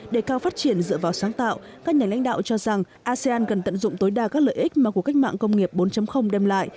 để cao phát triển dựa vào sáng tạo các nhà lãnh đạo cho rằng asean cần tận dụng tối đa các lợi ích mà cuộc cách mạng công nghiệp bốn đem lại